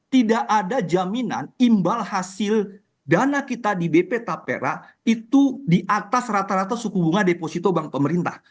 tidak ada jaminan imbal hasil dana kita di bp tapera itu di atas rata rata suku bunga deposito bank pemerintah